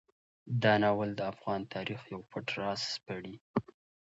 دا ناول د افغان تاریخ یو پټ راز سپړي.